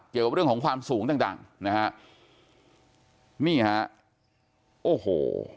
เกี่ยวกับเรื่องของความสูงต่างดังนะฮะนี่ฮะโอ้โห